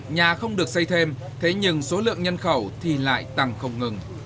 nhà không được xây thêm thế nhưng số lượng nhân khẩu thì lại tăng không ngừng